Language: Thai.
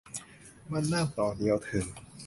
มันนั่งต่อเดียวถึง